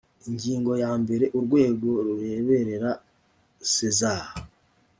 ingingo ya mbere urwego rureberera sezar